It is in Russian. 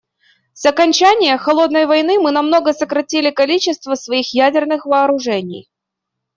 С окончания "холодной войны" мы намного сократили количество своих ядерных вооружений.